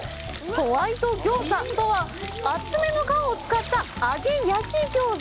ホワイト餃子とは、厚めの皮を使った揚げ焼き餃子。